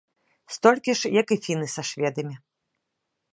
Столькі ж, як і фіны са шведамі.